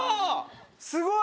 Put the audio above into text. すごい！